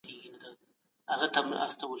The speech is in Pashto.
هغې درې کاله د سرطان درملنه وکړه.